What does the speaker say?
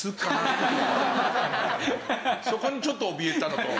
そこにちょっとおびえたのと。